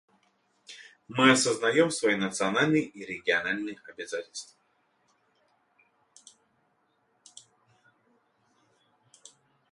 Мы сознаем свои национальные и региональные обязательства.